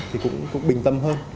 thì cũng bình tâm hơn